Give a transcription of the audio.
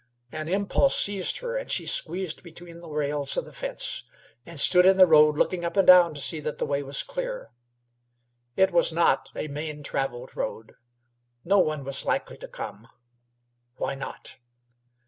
An impulse seized her, and she squeezed between the rails of the fence, and stood in the road looking up and down to see that the way was clear. It was not a main travelled road; no one was likely to come; why not?